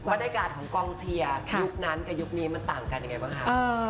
บรรยากาศของกองเชียร์ยุคนั้นกับยุคนี้มันต่างกันยังไงบ้างคะ